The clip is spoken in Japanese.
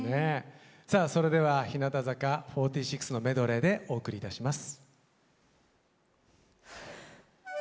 さあそれでは日向坂４６のメドレーでお送りいたします。